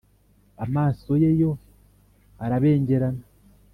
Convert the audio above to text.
amaso ye yo arabengerana